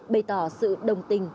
bày tỏ sự đồng tình